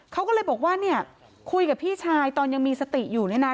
เขาก็เลยบอกว่าเนี่ยคุยกับพี่ชายตอนยังมีสติอยู่เนี่ยนะ